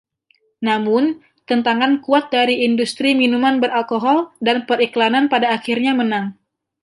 Namun, tentangan kuat dari industri minuman beralkohol dan periklanan pada akhirnya menang.